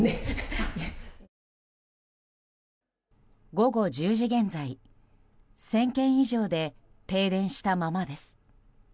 午後１０時現在１０００軒以上で停電したままです。